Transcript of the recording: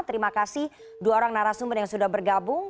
terima kasih dua orang narasumber yang sudah bergabung